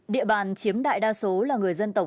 địa bàn chiếm đại đa số là người dân tộc